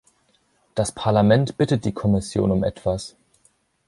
Das Parlament bittet die Kommission um etwas.